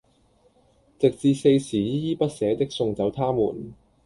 直至四時依依不捨的送走他們！